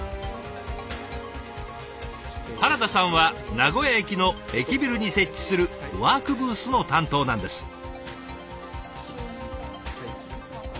原田さんは名古屋駅の駅ビルに設置するワークブースの担当なんです。